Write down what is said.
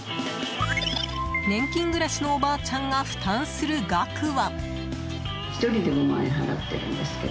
年金暮らしのおばあちゃんが負担する額は。